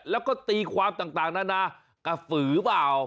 แล้วก็ตีความต่างนานากระสือเปล่า